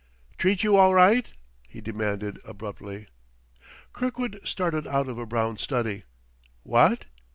"'Treat you all right?" he demanded abruptly. Kirkwood started out of a brown study. "What?